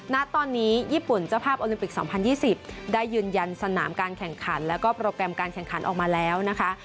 ณตอนนี้ญี่ปุ่นเจ้าภาพโอลิมปิก๒๐๒๐ได้ยืนยันสนามการแข่งขันแล้วก็โปรแกรมการแข่งขันออกมาแล้วนะคะ